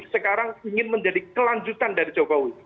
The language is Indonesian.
sekarang ingin menjadi kelanjutan dari jokowi